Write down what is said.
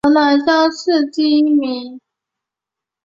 河南乡试第一名。